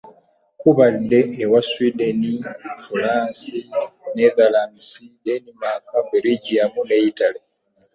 Kubadde owa Sweden, France, Netherlands, Denmark, Belgium ne Italy.